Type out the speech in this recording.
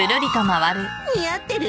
似合ってる？